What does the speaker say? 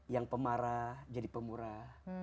yang pemarah jadi pemurah